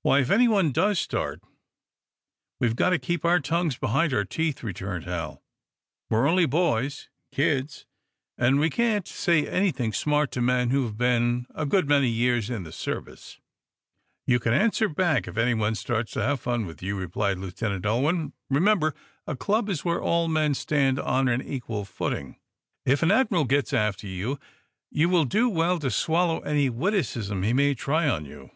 "Why, if anyone does start, we've got to keep our tongues behind our teeth," returned Hal. "We're only boys kids and we can't say anything smart to men who have been a good many years in the service." "You can answer back, if anyone starts to have any fun with you," replied Lieutenant Ulwin. "Remember, a club is where all men stand on an equal footing. If an admiral gets after you, you will do well to swallow any witticism he may try on you.